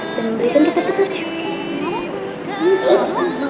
dan menjaga kita ke tujuan